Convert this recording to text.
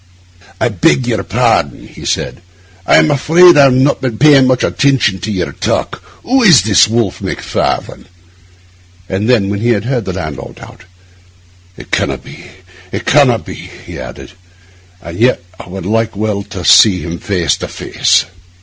'I beg your pardon,' he said, 'I am afraid I have not been paying much attention to your talk. Who is this Wolfe Macfarlane?' And then, when he had heard the landlord out, 'It cannot be, it cannot be,' he added; 'and yet I would like well to see him face to face.